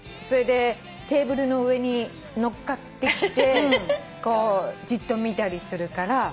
それでテーブルの上に乗っかってきてこうじっと見たりするから。